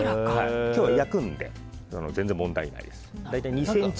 今日は焼くので全然問題ないです。